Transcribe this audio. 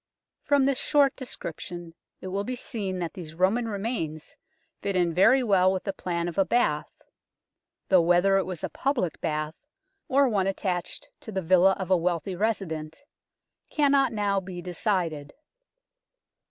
From this short description it will be seen that these Roman remains fit in very well with the plan of a bath, though whether it was a public bath, or one attached to the villa of a wealthy resident, cannot now be decided.